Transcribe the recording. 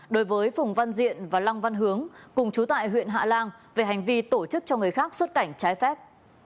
đối với phùng văn diện và lăng văn hướng cùng chú tại huyện hạ lan về hành vi tổ chức cho người khác xuất cảnh trái phép